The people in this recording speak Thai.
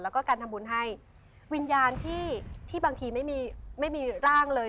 แล้วก็การทำบุญให้วิญญาณที่ที่บางทีไม่มีไม่มีร่างเลย